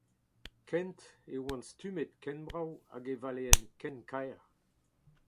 Kent e oan stummet ken brav hag e valeen ken kaer.